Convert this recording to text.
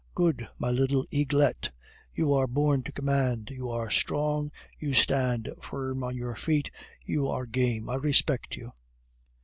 Good, my little eaglet! You are born to command, you are strong, you stand firm on your feet, you are game! I respect you."